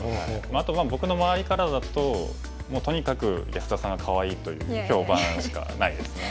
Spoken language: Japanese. あとは僕の周りからだととにかく安田さんがかわいいという評判しかないですね。